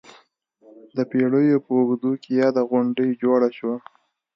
د پېړیو په اوږدو کې یاده غونډۍ جوړه شوه.